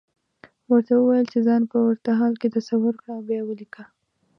ورته وويل چې ځان په ورته حال کې تصور کړه او بيا وليکه.